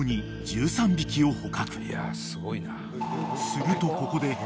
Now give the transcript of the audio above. ［するとここで］